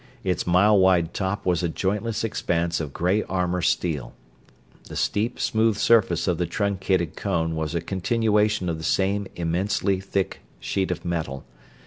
Its mile wide top was a jointless expanse of gray armor steel; the steep, smooth surface of the truncated cone was a continuation of the same immensely thick sheet of metal.